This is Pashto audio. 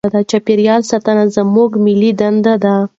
چاپیریال ساتنه زموږ ملي دنده ده.